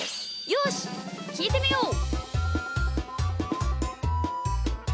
よしきいてみよう！